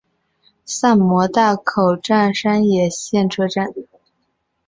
萨摩大口站山野线车站。